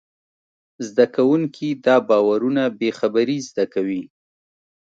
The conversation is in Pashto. زدهکوونکي دا باورونه بېخبري زده کوي.